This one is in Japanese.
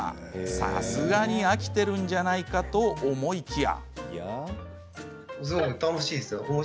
さすがに飽きてるんじゃないかと思いきや。